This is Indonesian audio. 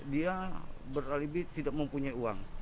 dia beralibi tidak mempunyai uang